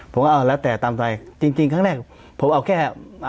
ผมก็เอาแล้วแต่ตามใจจริงครั้งแรกผมเอาแค่